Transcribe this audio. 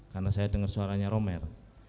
karena saya dengar suaranya romer